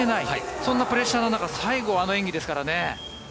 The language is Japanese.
そんなプレッシャーの中最後、あの演技ですからね。